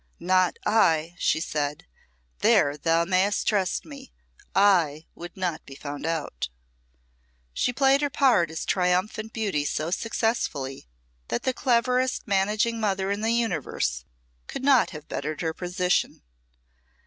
"Not I," she said. "There thou mayst trust me. I would not be found out." She played her part as triumphant beauty so successfully that the cleverest managing mother in the universe could not have bettered her position.